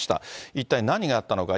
一体何があったのか。